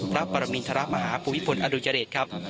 พระปรมินทรมาฮาภูมิพลอดุญเดชครับ